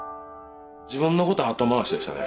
自分のこと後回しでしたね。